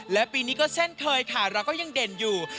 และปีนี้ก็เช่นเคยค่ะเราก็ยังเด่นอยู่